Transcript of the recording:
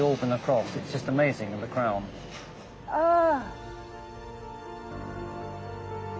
ああ。